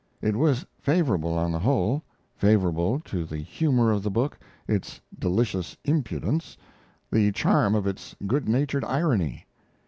It was favorable on the whole, favorable to the humor of the book, its "delicious impudence," the charm of its good natured irony.